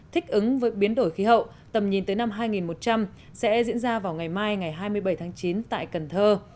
thích ứng với biến đổi khí hậu tầm nhìn tới năm hai nghìn một trăm linh sẽ diễn ra vào ngày mai ngày hai mươi bảy tháng chín tại cần thơ